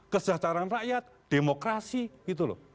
kesejahteraan rakyat demokrasi gitu loh